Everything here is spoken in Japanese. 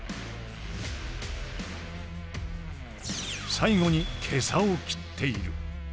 最後に袈裟を斬っている。